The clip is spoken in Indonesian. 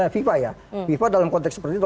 viva ya viva dalam konteks seperti itu